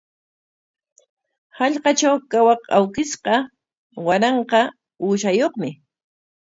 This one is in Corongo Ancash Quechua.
Hallqatraw kawaq awkishqa waranqa uushayuqmi.